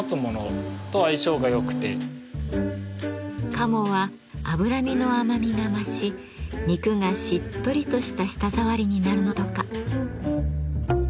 鴨は脂身の甘みが増し肉がしっとりとした舌触りになるのだとか。